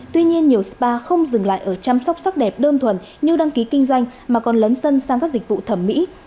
tuy nhiên nhiều spa không dừng lại ở chăm sóc sắc đẹp đơn thuần như đăng ký kinh doanh mà còn lấn sân sang các dịch vụ thẩm mỹ